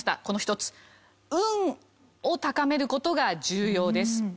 この一つ「運」を高める事が重要です。